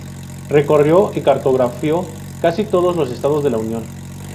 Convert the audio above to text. Recorrió y cartografió casi todos los estados de la Unión.